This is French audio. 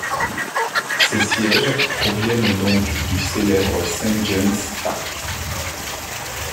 Ces sièges proviennent donc du célèbre St James' Park.